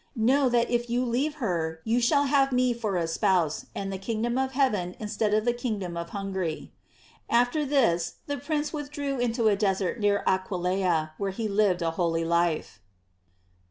Know, that if you leave her, you shall have me for a spouse, and the kingdom of heaven instead of the kingdom of Hungary." After this the prince withdrew into a desert near Aquileia, where he lived a holy life.